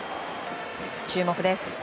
注目です。